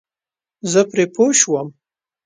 زه پرې پوه شوم.